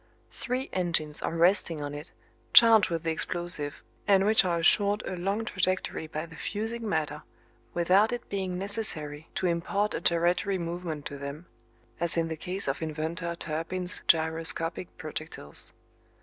Three engines are resting on it, charged with the explosive, and which are assured a long trajectory by the fusing matter without it being necessary to impart a gyratory movement to them as in the case of Inventor Turpin's gyroscopic projectiles.